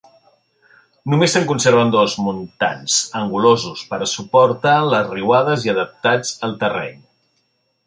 Només se'n conserven dos muntants, angulosos per a suportar les riuades i adaptats al terreny.